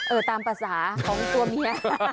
ตามภาษาของตัวเมีย